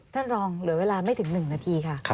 ท่านรองเหลือเวลาไม่ถึง๑นาทีค่ะ